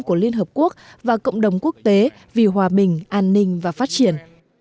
của liên hợp quốc và cộng đồng quốc tế vì hòa bình an ninh và phát triển